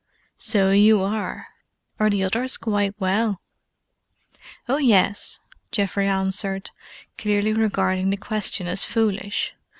"So you are. Are the others quite well?" "Oh yes," Geoffrey answered, clearly regarding the question as foolish.